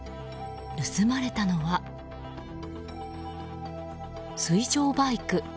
盗まれたのは、水上バイク。